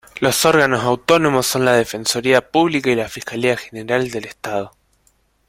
Los órganos autónomos son la Defensoría Pública y la Fiscalía General del Estado.